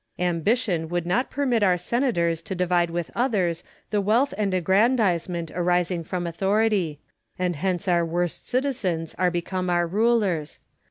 Ambition would not permit our senators to divide with others the wealth and aggrandisement arising from authority : and hence our worst citizens are become our rulers.